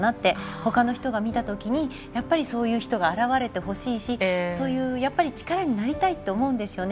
ほかの人が見たときにそういう人が現れてほしいしそういう力になりたいって思うんですよね。